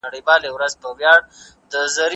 د پاچا د مړینې خبر د خلکو په ذهن کې پاتې شو.